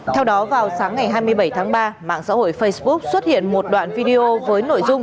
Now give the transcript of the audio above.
theo đó vào sáng ngày hai mươi bảy tháng ba mạng xã hội facebook xuất hiện một đoạn video